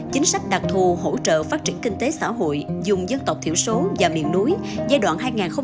chính sách đặc thù hỗ trợ phát triển kinh tế xã hội dùng dân tộc thiểu số và miền núi giai đoạn hai nghìn hai mươi một hai nghìn ba mươi